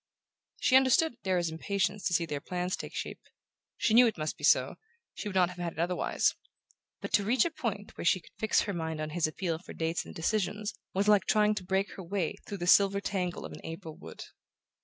She understood Darrow's impatience to see their plans take shape. She knew it must be so, she would not have had it otherwise; but to reach a point where she could fix her mind on his appeal for dates and decisions was like trying to break her way through the silver tangle of an April wood.